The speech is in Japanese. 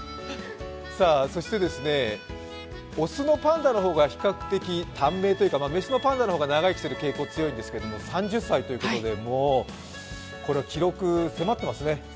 雄のパンダの方が比較的短命というか雌のパンダの方が長生きする傾向なんですけど、３０歳ということで記録迫っていますね。